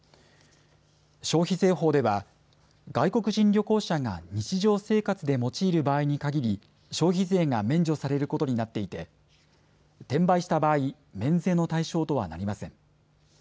消費税法では外国人旅行者が日常生活で用いる場合に限り消費税が免除されることになっていて転売した場合、免税の対象とはなりません。